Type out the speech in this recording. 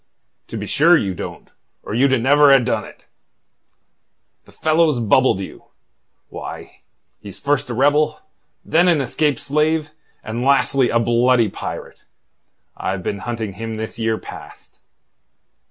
"To be sure you don't, or you'd never ha' done it. The fellow's bubbled you. Why, he's first a rebel, then an escaped slave, and lastly a bloody pirate. I've been hunting him this year past."